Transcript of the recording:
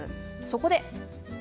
そこで。